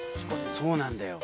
そうなんだよ。